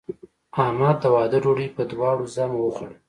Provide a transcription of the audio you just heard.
احمد د واده ډوډۍ په دواړو ژامو وخوړه.